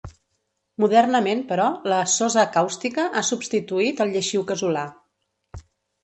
Modernament, però, la sosa càustica ha substituït al lleixiu casolà.